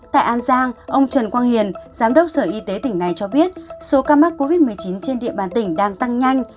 tại an giang ông trần quang hiền giám đốc sở y tế tỉnh này cho biết số ca mắc covid một mươi chín trên địa bàn tỉnh đang tăng nhanh